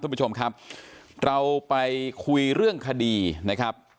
คุณผู้ชมครับเราไปคุยเรื่องคดีนะครับ